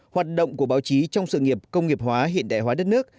hoạt động của báo chí trong sự nghiệp công nghiệp hóa hiện đại hóa đất nước